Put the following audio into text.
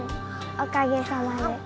おかげさまで。